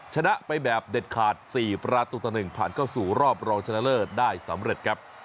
ชนะไปแบบเด็ดขาด๔ประตูต่อ๑ผ่านเข้าสู่รอบรองชนะเลิศได้สำเร็จครับ